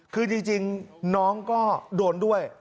คือจริงน้องก็โดนด้วย